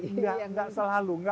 nggak nggak selalu